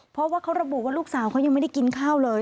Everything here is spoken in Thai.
เพราะว่าเขาระบุว่าลูกสาวเขายังไม่ได้กินข้าวเลย